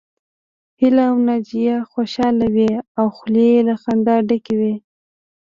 هيله او ناجيه خوشحاله وې او خولې يې له خندا ډکې وې